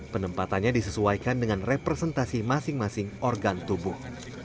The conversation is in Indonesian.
penempatannya disesuaikan dengan representasi masing masing organ tubuh